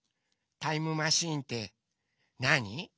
タイムマシンってなに？